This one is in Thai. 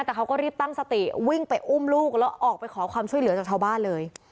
แต่เขาก็รีบตั้งสติวิ่งไปอุ้มลูกแล้วออกไปขอความช่วยเหลือจากชาวบ้านเลย